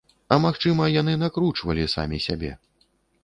А магчыма, яны накручвалі самі сябе.